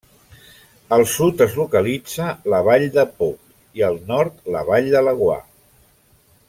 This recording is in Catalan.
Al sud es localitza la Vall de Pop, i al nord la Vall de Laguar.